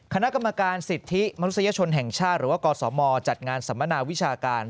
คณะกรรมการสิทธิมนุษยชนแห่งชาติหรือว่ากศมจัดงานสัมมนาวิชาการ